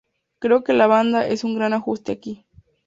Creo que la banda es un gran ajuste aquí.